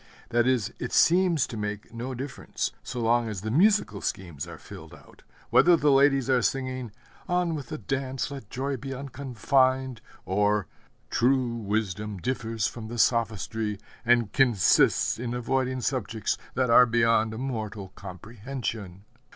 That is, it seems to make no difference, so long as the musical schemes are filled out, whether the ladies are singing, 'On with the dance, let joy be unconfined!' or, 'True wisdom differs from sophistry, and consists in avoiding subjects that are beyond mortal comprehension.'